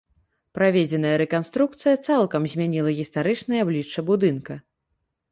Праведзеная рэканструкцыя цалкам змяніла гістарычнае аблічча будынка.